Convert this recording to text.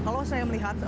kalau saya melihat